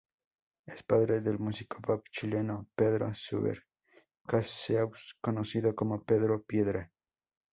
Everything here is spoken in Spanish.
Es padre del músico pop chileno Pedro Subercaseaux, conocido como Pedro Piedra.